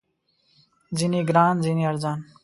ځینې ګران، ځینې ارزان